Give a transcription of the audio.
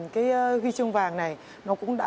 cái huy chương vàng này nó cũng đã